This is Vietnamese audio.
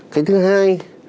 cái thứ hai